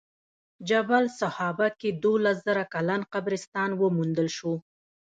جبل سحابه کې دولس زره کلن قبرستان وموندل شو.